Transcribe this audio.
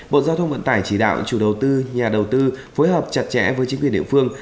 bộ giao thông vận tải chỉ đạo chủ đầu tư nhà đầu tư phối hợp chặt chẽ với chính quyền địa phương